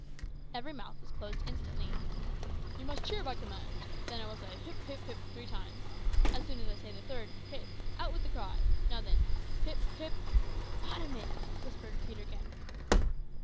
Every mouth was closed instantly. "You must cheer by command. I will say `Hip, hip, hip!' three times; as soon as I say the third `hip,' out with the cry. Now then. Hip, hip " "'Popotamus," whispered Peterkin.